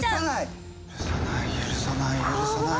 許さない許さない許さない。